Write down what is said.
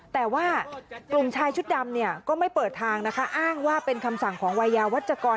แต่ว่ากลุ่มชายชุดดำเนี่ยก็ไม่เปิดทางนะคะอ้างว่าเป็นคำสั่งของวัยยาวัชกร